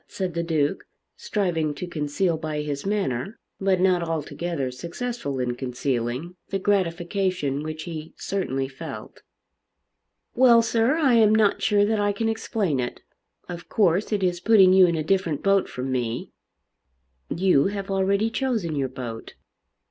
said the Duke, striving to conceal by his manner, but not altogether successful in concealing, the gratification which he certainly felt. "Well, sir, I am not sure that I can explain it. Of course it is putting you in a different boat from me." "You have already chosen your boat."